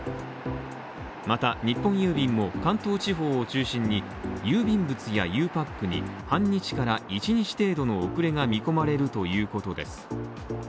また、日本郵便も関東地方を中心に郵便物やゆうパックに半日から１日程度の遅れが見込まれるということです。